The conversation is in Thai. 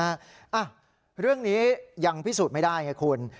อ่ะเรื่องนี้ยังพิสูจน์ไม่ได้ไงคุณ